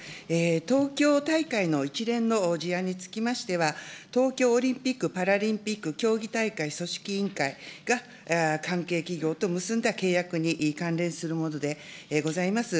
東京大会の一連の事案につきましては、東京オリンピック・パラリンピック競技大会組織委員会が、関係企業と結んだ契約に関連するものでございます。